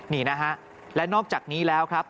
นี่นะฮะและนอกจากนี้แล้วครับ